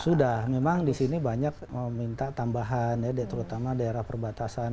sudah memang di sini banyak meminta tambahan terutama daerah perbatasan